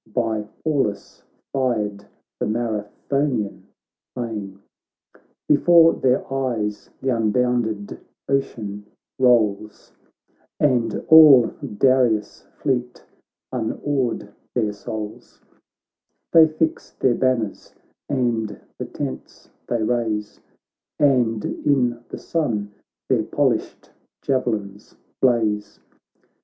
By Pallas fired, the Marathonian plain. Before their eyes th' unbounded ocean rolls And all Darius' fleet — unawed their souls : They fix their banners and the tents they raise, And in the sun their polished javelins blaze.